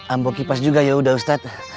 ambok kipas juga yaudah ustadz